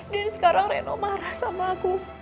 dan sekarang reno marah sama aku